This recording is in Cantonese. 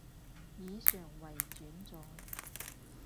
以上為轉載